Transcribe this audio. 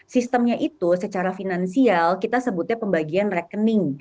sistemnya itu secara finansial kita sebutnya pembagian rekening